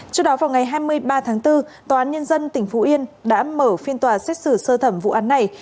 trước đó vào ngày hai mươi ba tháng bốn tòa án nhân dân tỉnh phú yên đã mở phiên tòa xét xử sơ thẩm vụ án này